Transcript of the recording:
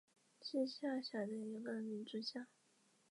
是下辖的一个民族乡。